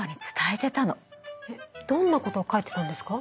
えっどんなことを書いてたんですか？